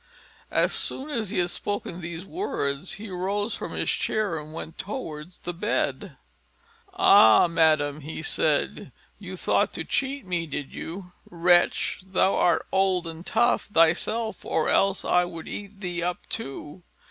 As soon as he had spoken these words, he rose from his chair and went towards the bed. "Ah! madam," said he, "you thought to cheat me, did you? Wretch! thou art old and tough thyself, or else I would eat thee up too!